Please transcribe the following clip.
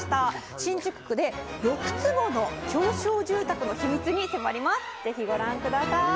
新宿区で６坪の狭小住宅の秘密に迫ります、ぜひご覧ください。